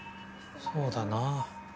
そうだな